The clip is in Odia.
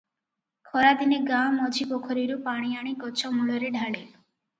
ଖରାଦିନେ ଗାଁ ମଝି ପୋଖରୀରୁ ପାଣି ଆଣି ଗଛ ମୂଳରେ ଢାଳେ।